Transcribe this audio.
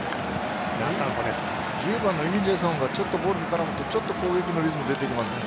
１０番のイ・ジェソンがボールに絡むと攻撃のリズムが出てきますね。